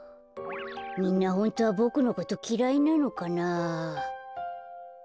みんなホントはボクのこときらいなのかな。